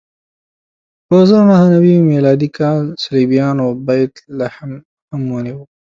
په زر نهه نوې میلادي کال صلیبیانو بیت لحم هم ونیو.